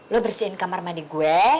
lo bersihin kamar mandi gue